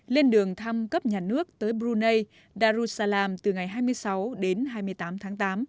lên đường thăm cấp nhà nước tới brunei darussalam từ ngày hai mươi sáu đến hai mươi tám tháng tám